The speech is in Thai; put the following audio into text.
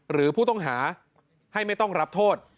หรือผู้ต้องหาให้ไม่ต้องรับโทษ